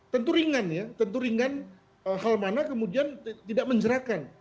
tentu ringan ya tentu ringan hal mana kemudian tidak menjerahkan